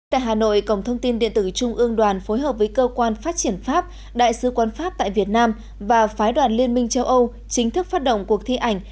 tại hà nội cổng thông tin điện tử trung ương đoàn phối hợp với cơ quan phát triển pháp đại sứ quán pháp tại việt nam và phái đoàn liên minh châu âu chính thức phát động cuộc thi ảnh